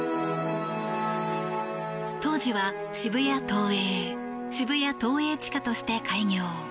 当時は、渋谷東映渋谷東映地下として開業。